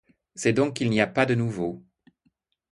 C’est donc qu’il n’y a pas de nouveau ?